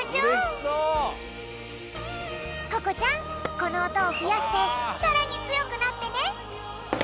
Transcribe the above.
このおとをふやしてさらにつよくなってね。